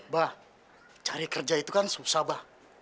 ba cari kerja itu kan susah ba